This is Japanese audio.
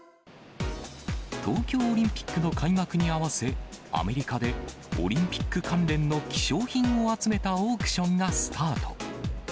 東京オリンピックの開幕に合わせ、アメリカでオリンピック関連の希少品を集めたオークションがスタート。